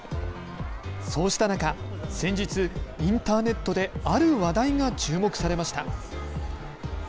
そうした中、先日インターネットである話題が注目されました。